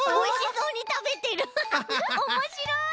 おもしろい。